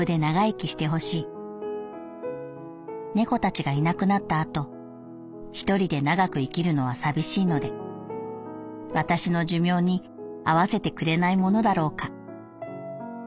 猫たちがいなくなった後一人で長く生きるのは寂しいので私の寿命に合わせてくれないものだろうか」。